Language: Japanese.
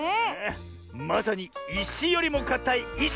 まさにいしよりもかたいいし！